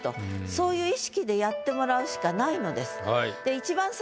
そういう意識でやってもらうしかないのです。